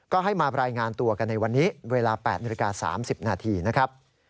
ก็ให้มารายงานตัวกันในวันนี้เวลา๘๓๐นนะครับ